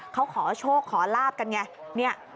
เขาขอโชคขอลาบกันไง